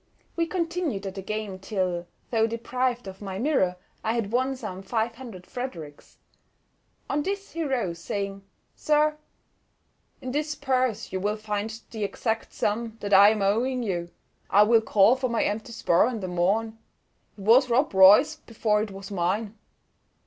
We continued at the game till, though deprived of my mirror, I had won some 500 Fredericks. On this he rose, saying, "Sir, in this purse you will find the exact sum that I am owing you, and I will call for my empty sporran the morn. It was Rob Roy's before it was mine."